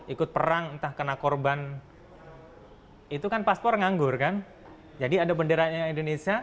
ikut perang entah kena korban itu kan paspor nganggur kan jadi ada benderanya indonesia